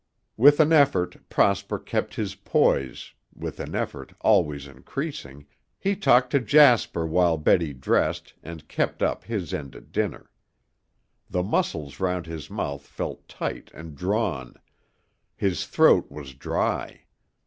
With an effort Prosper kept his poise, with an effort, always increasing, he talked to Jasper while Betty dressed, and kept up his end at dinner. The muscles round his mouth felt tight and drawn, his throat was dry.